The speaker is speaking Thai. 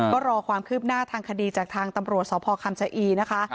ก็รอความคืบหน้าทางคดีจากทางตำรวจสพคำชะอีนะคะ